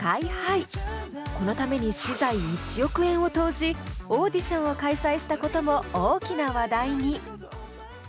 このために私財１億円を投じオーディションを開催したことも大きな話題に。